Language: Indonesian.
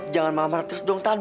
jangan mamar terus dong tante